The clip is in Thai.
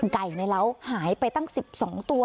ไก่ในเล้าหายไปตั้ง๑๒ตัว